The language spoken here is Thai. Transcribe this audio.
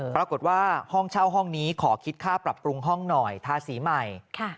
ห้องเช่าห้องนี้ขอคิดค่าปรับปรุงห้องหน่อยทาสีใหม่